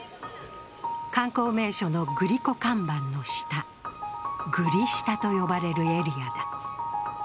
観光名所のグリコ看板の下、グリ下と呼ばれるエリアだ。